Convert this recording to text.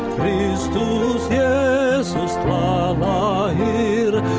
kristus yesus telah lahir